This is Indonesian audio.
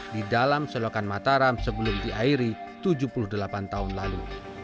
di dalam selokan mataram sebelum diairi tujuh puluh delapan tahun lalu